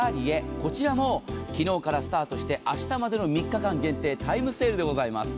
こちらも昨日からスタートして明日までの３日間限定、タイムセールでございます。